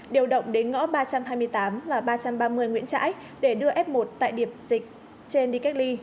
điều động đến ngõ ba trăm hai mươi tám và ba trăm ba mươi nguyễn trãi để đưa f một tại điểm dịch trên đi cách ly